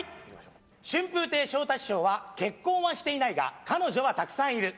春風亭昇太師匠は結婚はしていないが、彼女はたくさんいる。